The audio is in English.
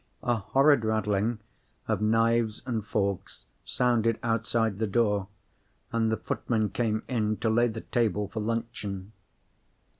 A horrid rattling of knives and forks sounded outside the door, and the footman came in to lay the table for luncheon.